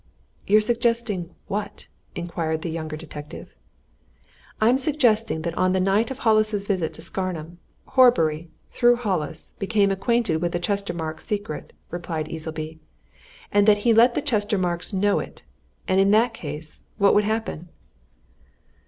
"You're suggesting what?" inquired the younger detective. "I'm suggesting that on that night of Hollis's visit to Scarnham, Horbury, through Hollis, became acquainted with the Chestermarke secret," replied Easleby, "and that he let the Chestermarkes know it. And in that case what would happen?"